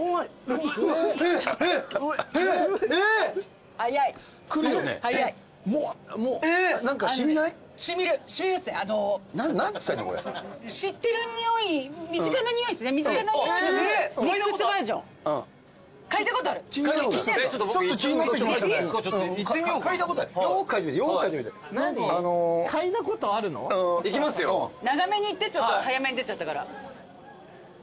長めにいって早めに出ちゃったから。